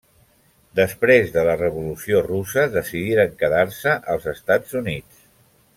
Després de la Revolució russa, decidiren quedar-se als Estats Units.